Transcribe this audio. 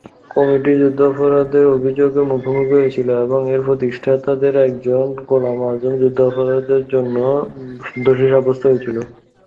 Committee যুদ্ধাপরাধের অভিযোগের মুখোমুখি হয়েছিল, এবং এর প্রতিষ্ঠাতাদের একজন, গোলাম আযম, যুদ্ধাপরাধের জন্য দোষী সাব্যস্ত হয়েছিল।